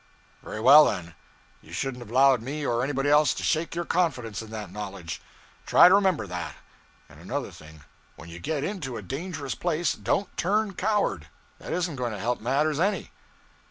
'Very well, then. You shouldn't have allowed me or anybody else to shake your confidence in that knowledge. Try to remember that. And another thing: when you get into a dangerous place, don't turn coward. That isn't going to help matters any.'